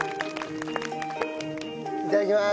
いただきます！